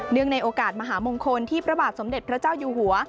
ในโอกาสมหามงคลที่พระบาทสมเด็จพระเจ้าอยู่หัว